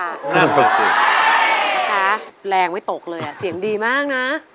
นะคะแรงไม่ตกเลยเสียงดีมากนะ